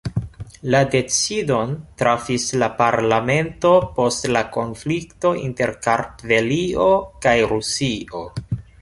La decidon trafis la parlamento post la konflikto inter Kartvelio kaj Rusio.